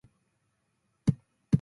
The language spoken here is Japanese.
これは考察の内容です